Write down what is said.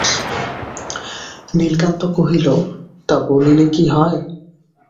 নীলকান্ত কহিল–তা বলিলে কি হয়!